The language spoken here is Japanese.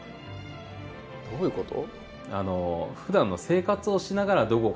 どういうこと？